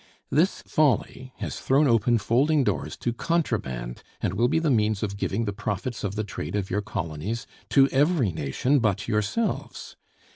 This folly has thrown open folding doors to contraband, and will be the means of giving the profits of the trade of your colonies to every nation but yourselves.